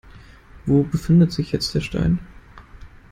Wo befindet sich jetzt der Stein?